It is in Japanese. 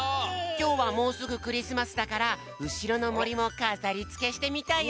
きょうはもうすぐクリスマスだからうしろのもりもかざりつけしてみたよ！